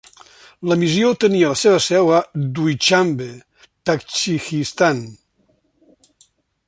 La missió tenia la seva seu a Duixanbe, Tadjikistan.